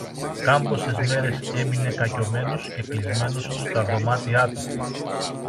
Κάμποσες μέρες έμεινε κακιωμένος και κλεισμένος στα δωμάτιά του.